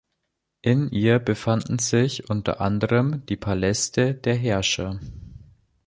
In ihr befanden sich unter anderem die Paläste der Herrscher.